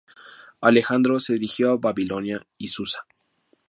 Alejandro se dirigió a Babilonia y Susa.